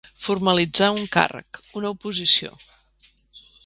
Formalitzar un càrrec, una oposició.